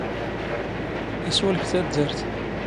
ⵉⵙⵓⵍ ⴳ ⵜⴰⴷⴷⴰⵔⵜ.